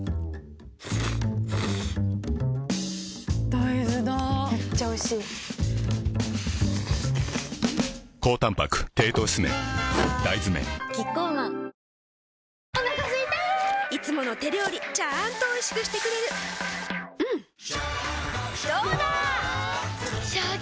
大豆だめっちゃおいしいわ大豆麺キッコーマンお腹すいたいつもの手料理ちゃんとおいしくしてくれるジューうんどうだわ！